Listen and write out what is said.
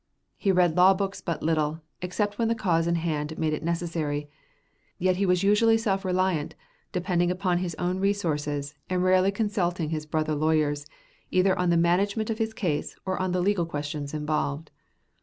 He read law books but little, except when the cause in hand made it necessary; yet he was usually self reliant, depending on his own resources, and rarely consulting his brother lawyers, either on the management of his case or on the legal questions involved.